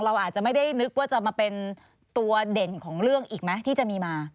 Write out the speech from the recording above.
เราอาจจะไม่ได้นึกว่าจะมาเป็นตัวเด่นของเรื่องอีกไหมที่จะมีมา